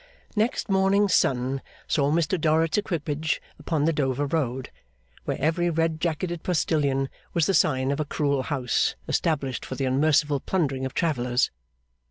Next morning's sun saw Mr Dorrit's equipage upon the Dover road, where every red jacketed postilion was the sign of a cruel house, established for the unmerciful plundering of travellers.